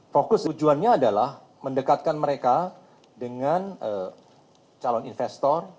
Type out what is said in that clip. fokus tujuannya adalah mendekatkan mereka dengan calon investor